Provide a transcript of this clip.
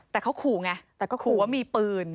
แต่เขาขู่ไงแต่ก็ขู่ว่ามีปืน